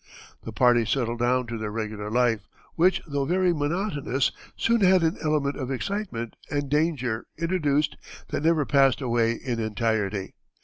The party settled down to their regular life, which though very monotonous soon had an element of excitement and danger introduced that never passed away in entirety.